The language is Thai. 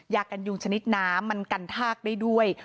ยากันยุงชนิดน้ำมันกันทากได้ด้วย